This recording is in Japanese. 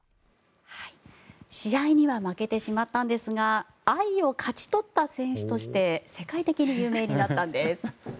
試合には負けてしまったんですが愛を勝ち取った選手として世界的に有名になったんです。